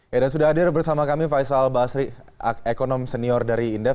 ya dan sudah hadir bersama kami faisal basri ekonom senior dari indef